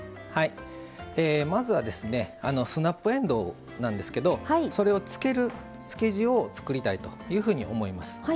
まずは、スナップえんどうなんですけれどそれをつける漬け地を作りたいというふうに思います。